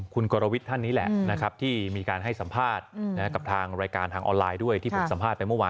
คิดว่าพี่สิทธิ์เขาก็คงเข้าไปอยู่ห้องห้าห้องห้าห้องที่พบโค้งกระดูกอ่ะ